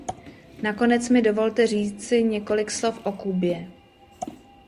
Nakonec mi dovolte říci několik slov o Kubě.